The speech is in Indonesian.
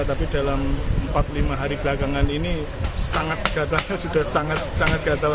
tapi dalam empat lima hari belakangan ini gatalnya sudah sangat sangat gatal